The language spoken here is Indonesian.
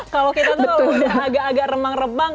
kalau kita tuh udah agak agak remang remang